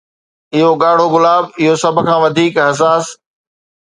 اهو ڳاڙهو گلاب، اهو سڀ کان وڌيڪ حساس